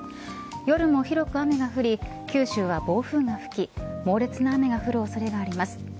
夜も広く雨が降り九州は暴風が吹き猛烈な雨が降る恐れがあります。